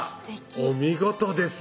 お見事です